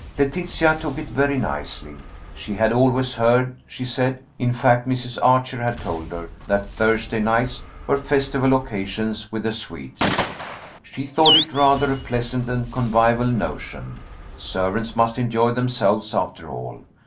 Letitia took it very nicely. She had always heard, she said, in fact Mrs. Archer had told her, that Thursday nights were festival occasions with the Swedes. She thought it rather a pleasant and convivial notion. Servants must enjoy themselves, after all.